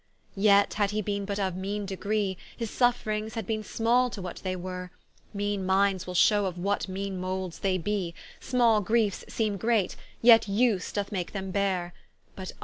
Yet, had he beene but of a meane degree, His suffrings had beene small to what they were; Meane minds will shew of what meane mouldes they bee; Small griefes seeme great, yet Vse doth make them beare: B[u]t ah!